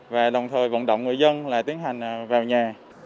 và đồng thời vận động người dân là tiến hành vào nhà